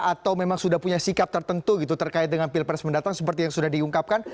atau memang sudah punya sikap tertentu gitu terkait dengan pilpres mendatang seperti yang sudah diungkapkan